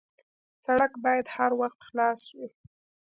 سړک باید هر وخت خلاص وي.